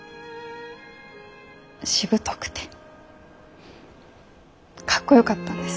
しぶとくてかっこよかったんです。